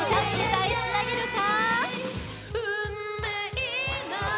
歌いつなげるか？